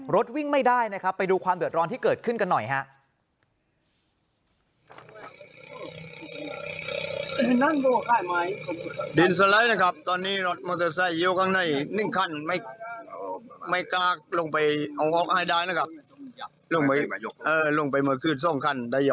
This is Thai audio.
รถวิ่งไม่ได้นะครับไปดูความเดือดร้อนที่เกิดขึ้นกันหน่อยฮะ